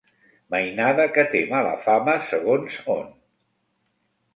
Mainada que té mala fama segons on.